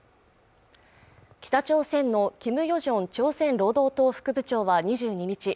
北朝鮮のキム・ヨジョン朝鮮労働党副部長は２２日